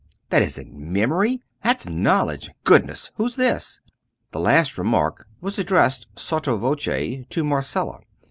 That isn't memory; that's knowledge! Goodness! who's this?" The last remark was addressed sotto voce to Marcella.